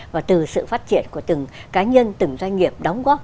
và từ sự phát triển của từng cá nhân từng doanh nghiệp đóng góp